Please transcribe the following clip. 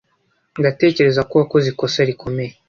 Ndatekereza ko wakoze ikosa rikomeye.